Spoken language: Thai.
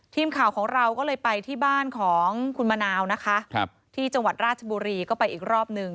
ทีมข่าวของเราก็เลยไปที่บ้านของคุณมะนาวนะคะที่จังหวัดราชบุรีก็ไปอีกรอบหนึ่ง